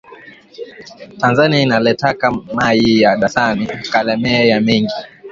Tanzania inaletaka mayi ya dasani kalemie ya mingi